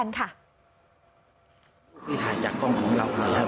พี่ถ่ายจากกล้องของเราค่ะ